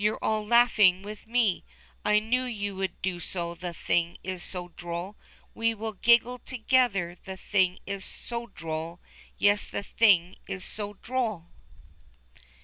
You're all laughing with me, I knew you would do so, the thing is so droll ! We will giggle together, the thing is so droll, Yes, the thing is so droll.